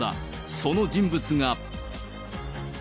その人物が。